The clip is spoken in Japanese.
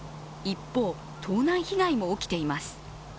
一方、盗難被害も起きています。